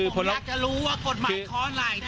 อยากจะรู้ว่ากฎหมายข้อไหน